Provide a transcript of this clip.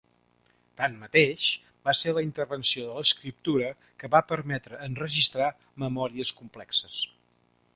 Tanmateix, va ser la invenció de l'escriptura que va permetre enregistrar memòries complexes.